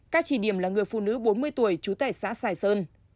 các chỉ điểm là người phụ nữ bốn mươi tuổi trú tại xã sài sơn